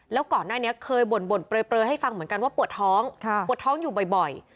แล้วก่อนหน้านี้เคยบ่นเปลยให้ฟังเหมือนกันว่าปวดท้องปวดท้องอยู่บ่อย